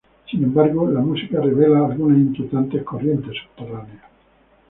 Sin embargo, la música revela algunas inquietantes corrientes subterráneas".